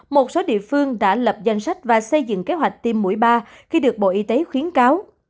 một số địa phương đã lập danh sách và xây dựng kế hoạch tiêm mũi ba khi được bộ y tế khuyến cáo